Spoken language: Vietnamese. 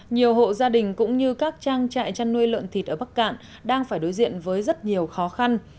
nhiều hộ gia đình cũng như các trang trại chăn nuôi lợn thịt ở bắc cạn đang phải đối diện với rất nhiều khó khăn